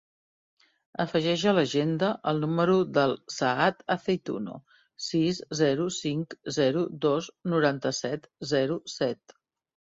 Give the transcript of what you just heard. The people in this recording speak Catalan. Afegeix a l'agenda el número del Saad Aceituno: sis, zero, cinc, zero, dos, noranta-set, zero, set.